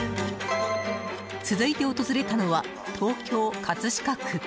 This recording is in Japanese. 続いて訪れたのは、東京・葛飾区。